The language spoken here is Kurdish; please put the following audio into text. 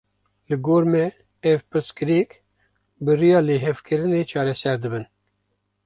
Li gor me ew pirsgirêk, bi riya lihevkirinê çareser dibin